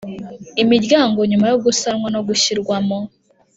imiryango nyuma yo gusanwa no gushyirwamo